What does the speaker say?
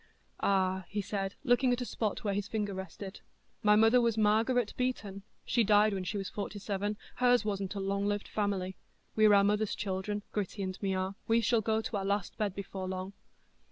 "Ah," he said, looking at a spot where his finger rested, "my mother was Margaret Beaton; she died when she was forty seven,—hers wasn't a long lived family; we're our mother's children, Gritty and me are,—we shall go to our last bed before long."